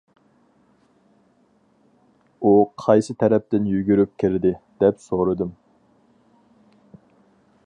-ئۇ قايسى تەرەپتىن يۈگۈرۈپ كىردى؟ -دەپ سورىدىم.